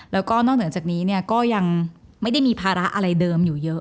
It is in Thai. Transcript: แล้วก็นอกเหนือจากนี้ก็ยังไม่ได้มีภาระอะไรเดิมอยู่เยอะ